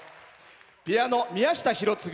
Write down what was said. ピアノ、宮下博次。